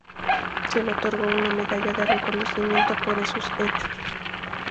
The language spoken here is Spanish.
Se le otorgó una medalla de reconocimiento por esos hechos.